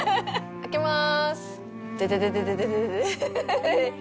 開けます。